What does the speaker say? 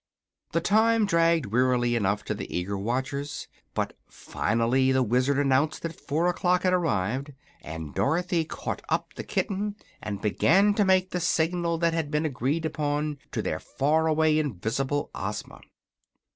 The time dragged wearily enough to the eager watchers, but finally the Wizard announced that four o'clock had arrived, and Dorothy caught up the kitten and began to make the signal that had been agreed upon to the far away, invisible Ozma.